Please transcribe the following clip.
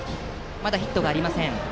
まだヒットがありません。